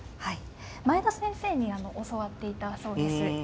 前田先生に教わっていたそうです。